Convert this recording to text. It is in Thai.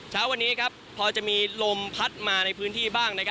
เช้าวันนี้พอจะมีลมพัดมาในพื้นที่บ้าง